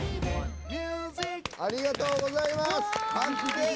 ありがとうございます！